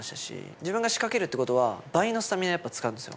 自分が仕掛けるっていうことは、倍のスタミナやっぱり使うんですよ。